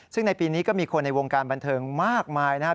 ซึ่งในปีนี้ก็มีคนในวงการบันเทิงมากมายนะครับ